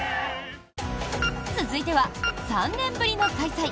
続いては、３年ぶりの開催。